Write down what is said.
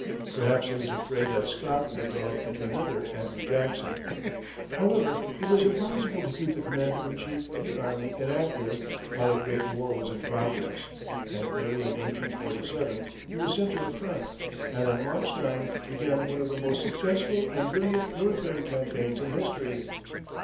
Perhaps he was afraid that Scott would develop into another Andrew Jackson. However, it was impossible to keep the commander in chief of the army inactive while a great war was in progress, and early in 1847, he was sent to the front, and on March 9 began one of the most successful and brilliant military campaigns in history.